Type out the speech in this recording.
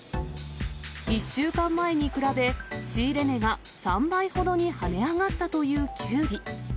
１週間前に比べ、仕入れ値が３倍ほどに跳ね上がったというキュウリ。